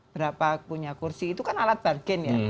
berapa punya kursi itu kan alat bargain ya